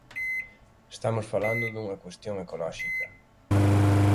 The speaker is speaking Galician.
Estamos falando dunha cuestión ecolóxica.